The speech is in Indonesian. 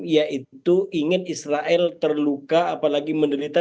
yaitu ingin israel terluka apalagi menderita